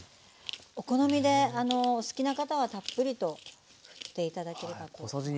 お好みでお好きな方はたっぷりとふって頂ければと思います。